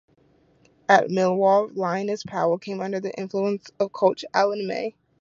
At Millwall Lionesses Powell came under the influence of coach Alan May.